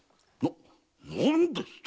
何ですと？